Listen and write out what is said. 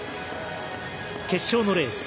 決勝のレース。